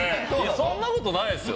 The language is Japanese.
そんなことないですよ。